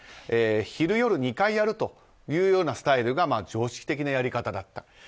昼夜２回やるというスタイルが常識的なやり方だった。